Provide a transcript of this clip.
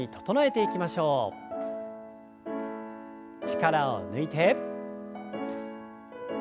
力を抜いて。